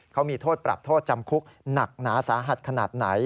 เขามีโทษปรับโทษจำคุกหนักหนาสาหัสขนาดไหน